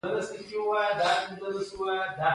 د افغانستان جغرافیا پیچلې ده